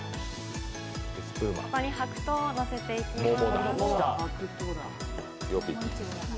ここに白桃をのせていきます。